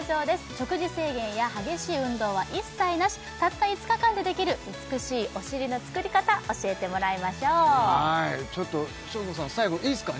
食事制限や激しい運動は一切なしたった５日間でできる美しいお尻のつくり方教えてもらいましょうちょっとショーゴさん最後いいすか？